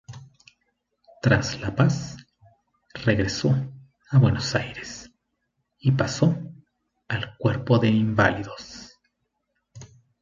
Tras la paz, regresó a Buenos Aires y pasó al Cuerpo de Inválidos.